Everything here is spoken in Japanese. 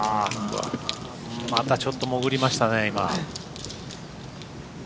またちょっと潜りましたね、今。